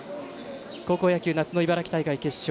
高校野球夏の茨城大会決勝。